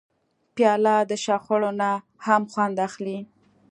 پیاله د شخړو نه هم خوند اخلي.